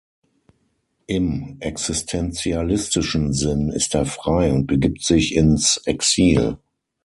Im existentialistischen Sinn ist er frei und begibt sich ins Exil.